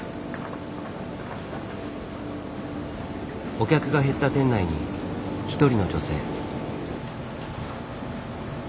お客が減った店内に一人の女性。